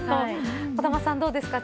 小玉さん、どうですか。